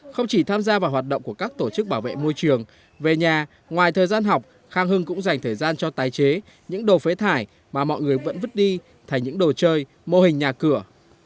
không chỉ tham gia vào hoạt động của các tổ chức bảo vệ môi trường về nhà ngoài thời gian học khang hưng cũng dành thời gian cho tái chế những đồ phế thải mà mọi người vẫn vứt đi thành những đồ chơi mô hình nhà cửa